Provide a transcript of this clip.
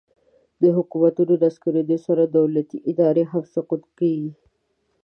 د حکومتونو نسکورېدو سره دولتي ادارې هم سقوط کیږي